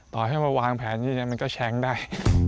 ต่อให้มันวางแผนอย่างนี้มันก็แช้งได้